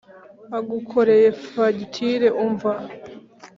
agukoreye fagitire umva